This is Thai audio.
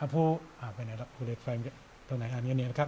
ภูไปไหนภูเหล็กไฟตรงไหนอันนี้นะครับ